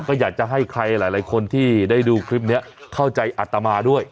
ก็อยากจะให้ใครหลายคนที่ได้ดูคลิปนี้เข้าใจอัตมาด้วย